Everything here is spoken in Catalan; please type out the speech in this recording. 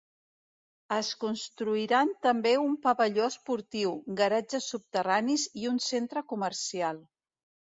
Es construiran també un pavelló esportiu, garatges subterranis i un centre comercial.